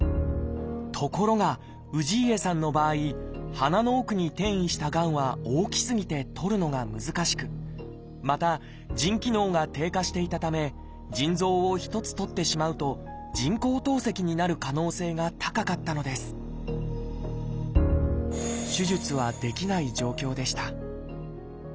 ところが氏家さんの場合鼻の奥に転移したがんは大きすぎてとるのが難しくまた腎機能が低下していたため腎臓を１つとってしまうと人工透析になる可能性が高かったのです手術はできない状況でした。